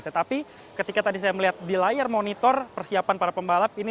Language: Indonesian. tetapi ketika tadi saya melihat di layar monitor persiapan para pembalap ini